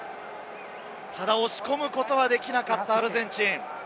押し込むことは出来なかったアルゼンチン。